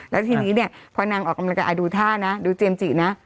แล้วทีนี้เนี่ยพอนางออกกำลังกายดูท่านะดูเจมสจินะ